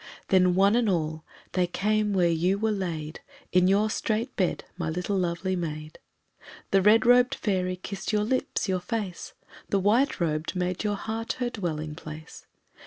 Then, one and all, they came where you were laid In your strait bed, my little lovely maid; The red robed fairy kissed your lips, your face, The white robed made your heart her dwelling place.